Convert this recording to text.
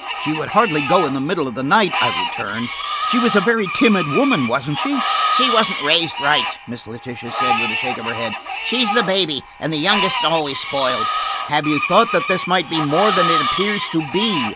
"She would hardly go in the middle of the night," I returned. "She was a very timid woman, wasn't she?" "She wasn't raised right," Miss Letitia said with a shake of her head. "She's the baby, and the youngest's always spoiled." "Have you thought that this might be more than it appears to be?"